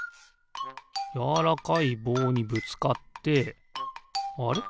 やわらかいぼうにぶつかってあれ？